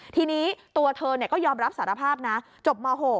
ทีนี้ตัวเธอก็ยอมรับสารภาพนะจบม๖